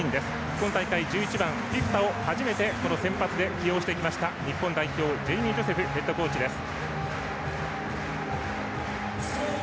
今大会１１番、フィフィタを初めて先発で起用してきました日本代表、ジェイミー・ジョセフヘッドコーチです。